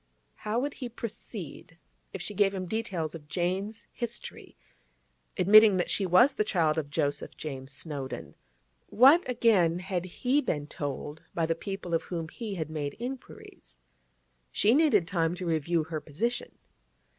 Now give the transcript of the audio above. How would he proceed if she gave him details of Jane's history, admitting that she was the child of Joseph James Snowdon? What, again, had he been told by the people of whom he had made inquiries? She needed time to review her position.